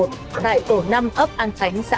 xã tân an khạnh hội bình tây